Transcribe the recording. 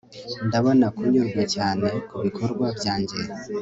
ndabona kunyurwa cyane kubikorwa byanjye